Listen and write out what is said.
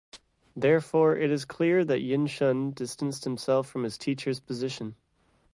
Therefore, it is clear that Yinshun distanced himself from his teacher's position.